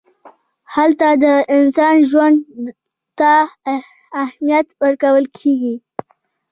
هلته د انسان ژوند ته اهمیت ورکول کېږي.